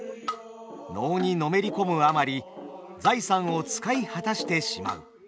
能にのめり込むあまり財産を使い果たしてしまう。